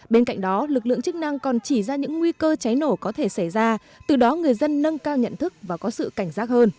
bên cạnh đó lực lượng chức năng còn chỉ ra những nguy cơ cháy nổ có thể xảy ra từ đó người dân nâng cao nhận thức và có sự cảnh giác hơn